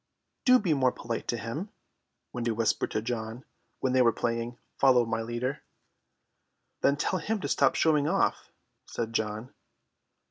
"Do be more polite to him," Wendy whispered to John, when they were playing "Follow my Leader." "Then tell him to stop showing off," said John.